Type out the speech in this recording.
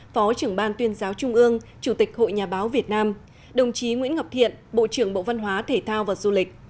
phó trưởng ban tuyên giáo trung ương chủ tịch hội nhà báo việt nam đồng chí nguyễn ngọc thiện bộ trưởng bộ văn hóa thể thao và du lịch